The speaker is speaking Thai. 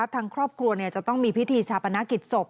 ทางครอบครัวจะต้องมีพิธีชาปนกิจศพ